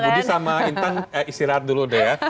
budi sama intan istirahat dulu deh ya